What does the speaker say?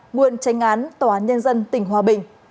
nguyên tránh án tòa án nhân dân tỉnh hòa bình